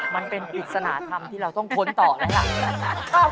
มันเป็นผิดสนาธรรมที่เราต้องท้นต่อแล้วหลัก